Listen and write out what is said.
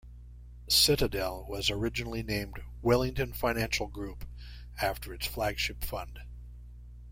Citadel was originally named Wellington Financial Group after its flagship fund.